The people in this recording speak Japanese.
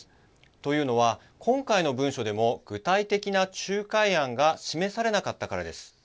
というのは今回の文書でも具体的な仲介案が示されなかったからです。